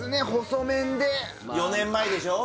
細麺で４年前でしょ？